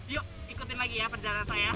yuk ikutin lagi ya perjalanan saya